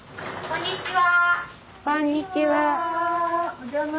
こんにちは。